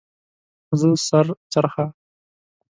زه سر چرخه